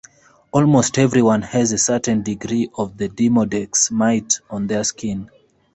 Almost everyone has a certain degree of the "Demodex" mite on their skin.